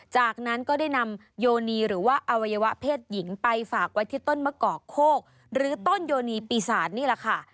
จากนั้นก็ได้นำโยนีหรือว่าอวัยวะเพศหญิงไปฝากไว้ที่ต้นมะกอกโคกหรือต้นโยนีปีศาจนี่แหละค่ะ